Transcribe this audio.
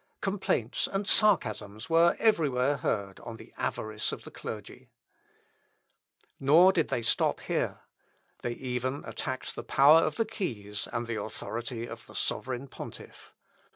Complaints and sarcasms were everywhere heard on the avarice of the clergy. Luth. Op. (Leips.) xvii, pp. 111 et 116. Nor did they stop here. They even attacked the power of the keys, and the authority of the sovereign pontiff.